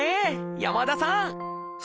山田さん